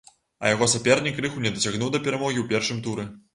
А яго сапернік крыху не дацягнуў да перамогі ў першым туры!